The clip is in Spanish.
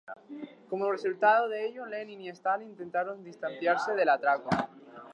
Como resultado de ello, Lenin y Stalin intentaron distanciarse del atraco.